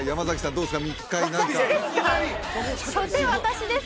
そうですか